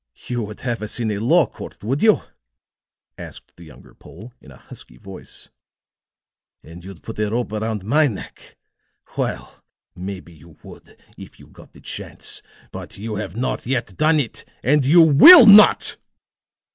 "You would have us into a law court, would you?" asked the younger Pole, in a husky voice. "And you'd put a rope around my neck! Well, maybe you would, if you got the chance; but you have not yet done it, and you will not!"